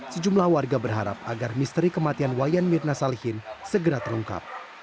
sejumlah warga berharap agar misteri kematian wayan mirna salihin segera terungkap